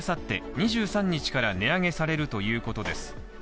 ２３日から値上げされるということです。